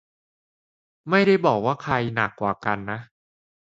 ไม่ได้บอกว่าใครหนักกว่ากันนะ